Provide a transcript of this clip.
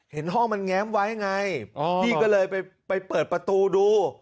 เห็นห้องมันแง้มไว้ไงพี่ก็เลยไปเปิดประตูดู